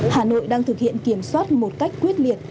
hà nội đang thực hiện kiểm soát một cách quyết liệt